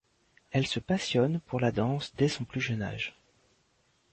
Elle se passionne pour la danse dès son plus jeune âge.